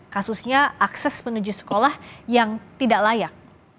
kasusnya akses menuju sekolah yang tidak layak